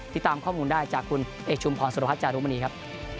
ติดตามข้อมูลได้จากคุณเอกชุมพรสุรพัฒนจารุมณีครับ